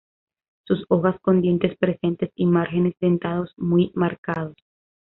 Sus hojas con dientes presentes y márgenes dentados muy marcados.